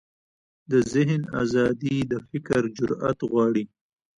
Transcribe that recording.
د ذهن ازادي د فکر جرئت غواړي.